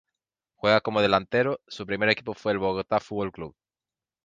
Juega como delantero, su primer equipo fue el Bogotá Fútbol Club.